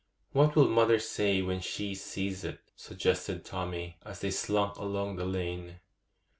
'What will mother say when she sees it?' suggested Tommy, as they slunk along the lane.